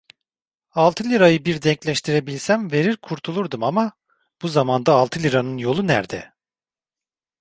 Altı lirayı bir denkleştirebilsem verir kurtulurdum ama, bu zamanda altı liranın yolu nerde?